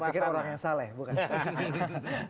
saya pikir orang yang salah ya